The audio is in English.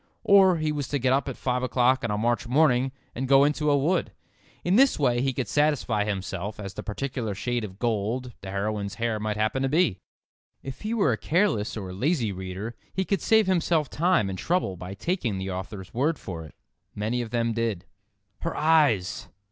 Or he was to get up at five o'clock on a March morning and go into a wood. In this way he could satisfy himself as to the particular shade of gold the heroine's hair might happen to be. If he were a careless or lazy reader he could save himself time and trouble by taking the author's word for it. Many of them did. "Her eyes!"